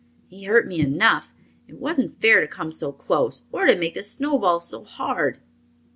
"He hurt me enough. It wasn't fair to come so close, or to make the snowballs so hard."